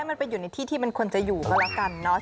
มันไปอยู่ในที่ที่มันควรจะอยู่ก็แล้วกันเนาะ